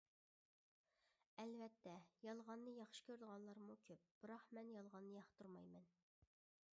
ئەلۋەتتە يالغاننى ياخشى كۆرىدىغانلارمۇ كۆپ، بىراق مەن يالغاننى ياقتۇرمايمەن.